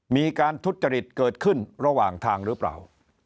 มีการทุจริตเกิดขึ้นระหว่างทางหรือเปล่า